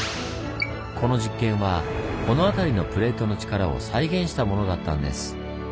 この実験はこの辺りのプレートの力を再現したものだったんです。